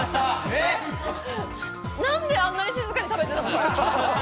なんであんなに静かに食べていたの？